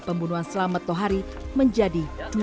pembunuhan selamat toh hari menjadi